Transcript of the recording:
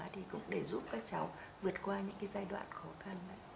để giúp các cháu vượt qua những giai đoạn khó khăn